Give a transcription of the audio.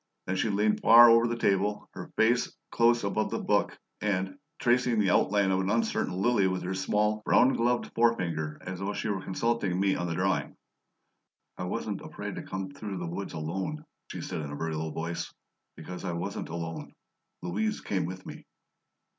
Then she leaned far over the table, her face close above the book, and, tracing the outline of an uncertain lily with her small, brown gloved forefinger, as though she were consulting me on the drawing, "I wasn't afraid to come through the woods alone," she said, in a very low voice, "because I wasn't alone. Louise came with me."